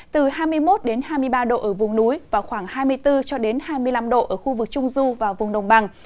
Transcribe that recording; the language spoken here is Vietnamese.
từ hai mươi một hai mươi ba độ ở vùng núi và khoảng hai mươi bốn cho đến hai mươi năm độ ở khu vực trung du và vùng đồng bằng